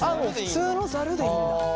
普通のざるでいいんだ。